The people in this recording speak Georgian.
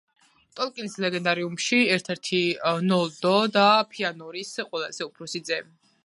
ტოლკინის ლეგენდარიუმში ერთ-ერთი ნოლდო და ფეანორის ყველაზე უფროსი ძე.